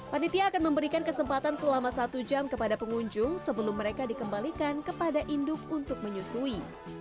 panitia akan memberikan kesempatan selama satu jam kepada pengunjung sebelum mereka dikembalikan kepada induk untuk menyusui